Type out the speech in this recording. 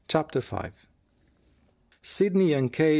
CHAPTER V Sidney and K.